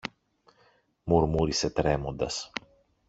μουρμούρισε τρέμοντας.